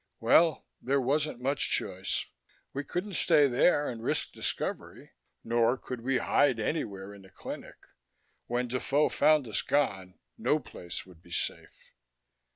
Well, there wasn't much choice. We couldn't stay here and risk discovery. Nor could we hide anywhere in the clinic; when Defoe found us gone, no place would be safe.